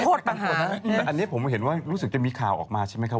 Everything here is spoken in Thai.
แต่อันนี้ผมเห็นว่ารู้สึกจะมีข่าวออกมาใช่ไหมครับ